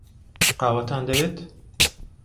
قاوەتان دەوێت؟